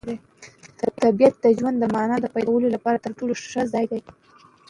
طبیعت د ژوند د مانا د پیدا کولو لپاره تر ټولو ښه ځای دی.